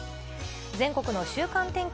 全国の週間天気。